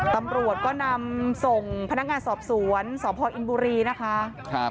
ตำรวจก็นำแสนผู้ชมส่งผนักงานสอบสวนสอบพอินบุรีนะคะ